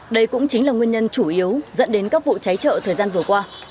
đây cũng chính là nguyên nhân chủ yếu dẫn đến các vụ cháy chợ thời gian vừa qua